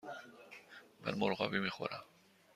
من مرغابی می خورم.